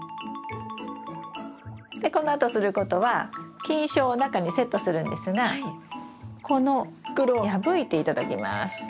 このあとすることは菌床を中にセットするんですがこの袋を破いて頂きます。